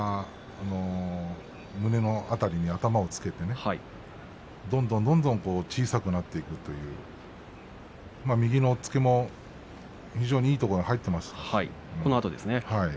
きょうも豊山胸の辺りに頭をつけてどんどんどんどんと小さくなっていくという右の押っつけの非常にいいところに入っています。